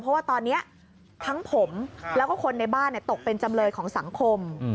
เพราะว่าตอนนี้ทั้งผมแล้วก็คนในบ้านตกเป็นจำเลยของสังคม